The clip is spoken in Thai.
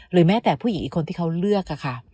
แม้แต่ผู้หญิงอีกคนที่เขาเลือกค่ะ